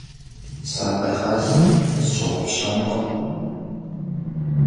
Сакъегъэл, сщыгъупщэнкъым.